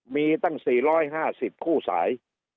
มีตั้ง๔๕๐คู่สาย